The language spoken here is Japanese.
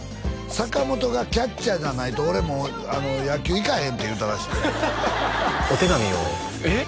坂本がキャッチャーじゃないと俺もう野球行かへんって言うたらしいお手紙をえっ？